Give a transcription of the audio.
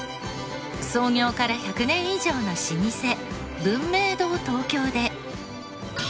創業から１００年以上の老舗文明堂東京で。